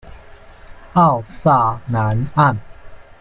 奥萨南岸。